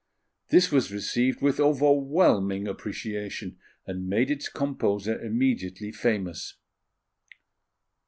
This was received with overwhelming appreciation, and made its composer immediately famous.